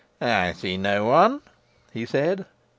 "I see no one," he said.